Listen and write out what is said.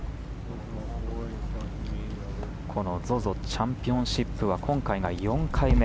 チャンピオンシップは今回が４回目。